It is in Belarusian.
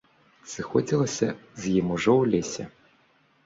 Сыходзілася з ім ужо ў лесе.